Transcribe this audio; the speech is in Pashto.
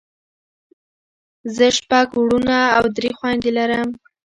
زه شپږ وروڼه او درې خويندې لرم.